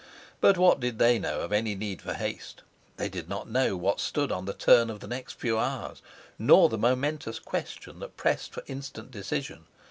But what did they know of any need for haste? They did not know what stood on the turn of the next few hours, nor the momentous question that pressed for instant decision.